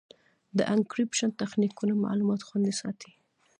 د انکریپشن تخنیکونه معلومات خوندي ساتي.